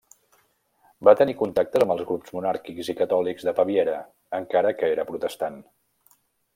Va tenir contactes amb els grups monàrquics i catòlics de Baviera encara que era protestant.